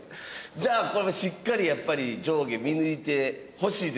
じゃあこれもうしっかり上下見抜いてほしいですよね？